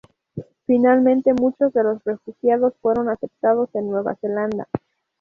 Finalmente, muchos de los refugiados fueron aceptados en Nueva Zelanda.